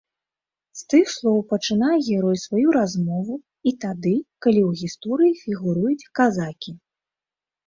З тых слоў пачынае герой сваю размову і тады, калі ў гісторыі фігуруюць казакі.